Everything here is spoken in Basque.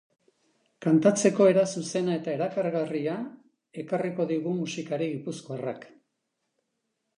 Kantatzeko era zuzena eta erakargarria izango ekarriko digumusikari gipuzkoarrak.